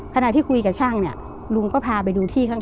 ขณะที่คุยกับช่างเนี่ยลุงก็พาไปดูที่ข้าง